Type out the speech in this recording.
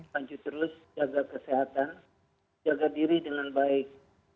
lanjut terus jaga kesehatan jaga diri dengan baik